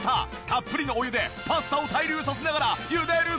たっぷりのお湯でパスタを対流させながらゆでる